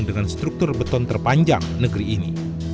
dengan struktur beton terpanjang negeri ini